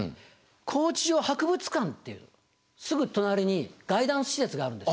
高知城博物館っていうすぐ隣にガイダンス施設があるんです。